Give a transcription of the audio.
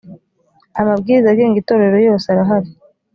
amabwiriza agenga itorero yose arahari.